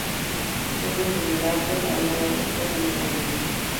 Solo es vulnerable al Mega Buster de Mega Man.